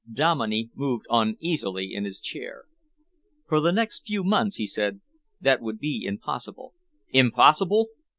Dominey moved uneasily in his chair. "For the next few months," he said, "that would be impossible." "Impossible!"